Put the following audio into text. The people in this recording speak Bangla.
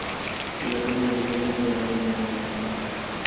কিভাবে নিজেকে মৃত মেনে নিব।